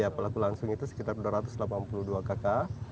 ya pelaku langsung itu sekitar dua ratus delapan puluh dua kakak